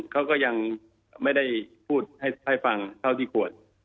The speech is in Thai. เขาก็ยังไม่ได้พูดให้ฟังเท่าที่ควร